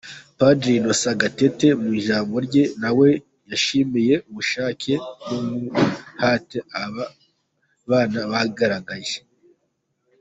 Padiri Innocent Gatete mu ijambo rye nawe yashimiye ubushake n'umuhate aba bana bagaragaje.